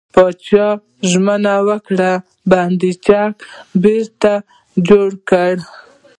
پاچا ژمنه وکړه، بند چک به بېرته جوړ کړي .